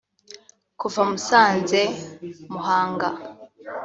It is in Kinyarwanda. Kuva Musanze- Muhanga